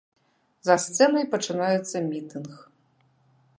За сцэнай пачынаецца мітынг.